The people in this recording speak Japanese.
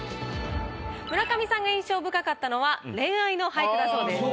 村上さんが印象深かったのは恋愛の俳句だそうです。